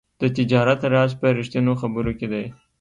د تجارت راز په رښتیني خبرو کې دی.